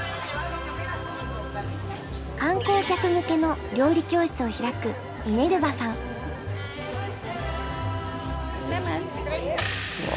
観光客向けの料理教室を開くうわ